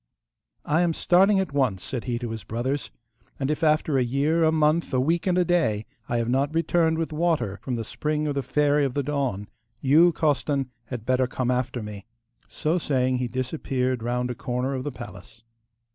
'I am starting at once,' said he to his brothers, 'and if after a year, a month, a week, and a day I have not returned with the water from the spring of the Fairy of the Dawn, you, Costan, had better come after me.' So saying he disappeared round a corner of the palace.